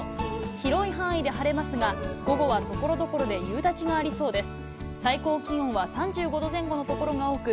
広い範囲で晴れますが、午後はところどころで夕立がありそうです。